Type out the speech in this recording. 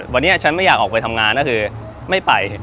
วันนี้ฉันไม่อยากออกไปทำงานก็คือไม่ไป